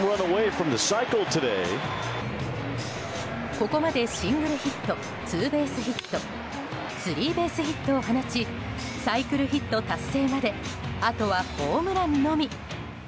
ここまでシングルヒットツーベースヒットスリーベースヒットを放ちサイクルヒット達成まであとはホームランのみ。